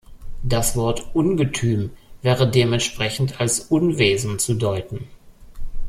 Das Wort „Ungetüm“ wäre dementsprechend als Unwesen zu deuten.